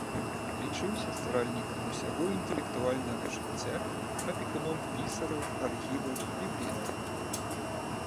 Лічыўся стваральнікам усяго інтэлектуальнага жыцця, апекуном пісараў, архіваў, бібліятэк.